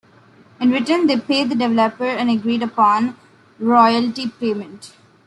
In return they pay the developer an agreed upon royalty payment.